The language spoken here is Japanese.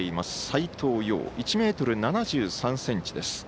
斎藤蓉、１ｍ７３ｃｍです。